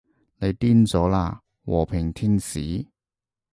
你癲咗喇，和平天使